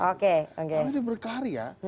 oke oke karena di berkarya